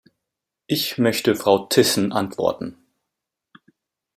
Ich möchte Frau Thyssen antworten.